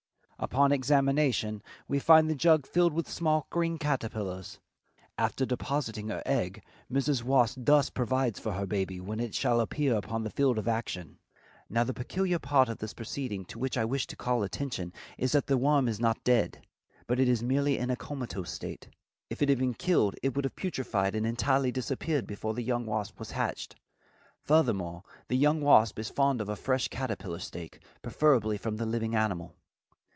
Upon examination we find the jug filled with small green caterpillars. After depositing her egg Mrs. Wasp thus provides for her baby when it shall appear upon the field of action. Now the peculiar part of this proceeding to which I wish to call attention is that the worm is not dead, but is merely in a comatose state. If it had been killed it would have putrified and entirely disappeared before the young wasp was hatched. Furthermore, the young wasp is fond of fresh caterpillar steak, preferably from the living animal.